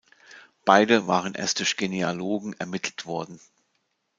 Beide waren erst durch Genealogen ermittelt worden.